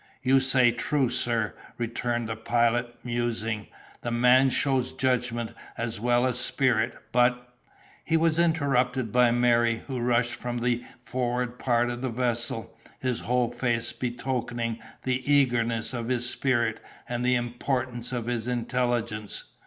"You say true, sir," returned the Pilot, musing; "the man shows judgment as well as spirit: but—" He was interrupted by Merry, who rushed from the forward part of the vessel, his whole face betokening the eagerness of his spirit, and the importance of his intelligence.